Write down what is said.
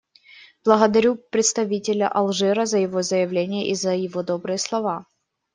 Благодарю представителя Алжира за его заявление и за его добрые слова.